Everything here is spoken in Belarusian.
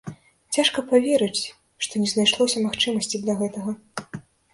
Цяжка паверыць, што не знайшлося магчымасці для гэтага.